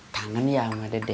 tangan ya sama dede